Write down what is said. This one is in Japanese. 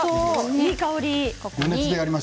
いい香り。